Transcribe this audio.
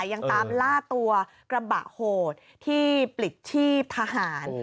ยังตามล่าตัวกระบะโหดที่ปลิดชีพทหาร